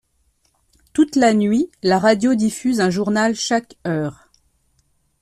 Toute la nuit, la radio diffuse un journal chaque heure.